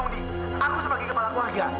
aku sebagai kepala keluarga